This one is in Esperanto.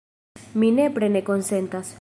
Mi nepre ne konsentas.